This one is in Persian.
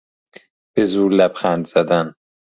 به زور لبخند زدن